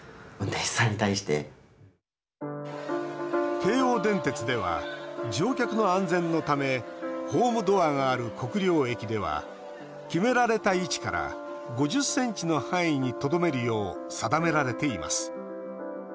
京王電鉄では乗客の安全のためホームドアがある国領駅では決められた位置から５０ｃｍの範囲にとどめるよう定められています。